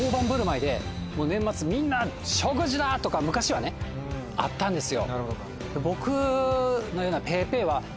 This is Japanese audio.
年末みんな食事だ！とか昔はねあったんですよ。